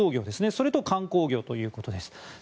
それと観光業ということです。